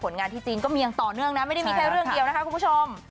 งานที่จีนก็มีอย่างต่อเนื่องนะไม่ได้มีแค่เรื่องเดียวนะคะคุณผู้ชม